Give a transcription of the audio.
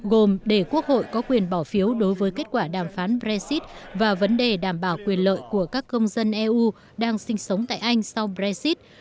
gồm để quốc hội có quyền bỏ phiếu đối với kết quả đàm phán brexit và vấn đề đảm bảo quyền lợi của các công dân eu đang sinh sống tại anh sau brexit